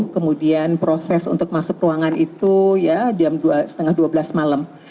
kemudian proses untuk masuk ruangan itu jam dua belas tiga puluh malam